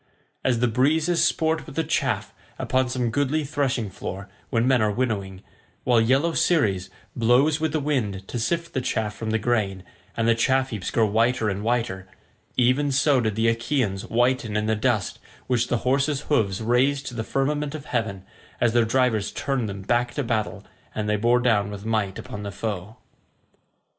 As the breezes sport with the chaff upon some goodly threshing floor, when men are winnowing—while yellow Ceres blows with the wind to sift the chaff from the grain, and the chaff heaps grow whiter and whiter—even so did the Achaeans whiten in the dust which the horses' hoofs raised to the firmament of heaven, as their drivers turned them back to battle, and they bore down with might upon the foe.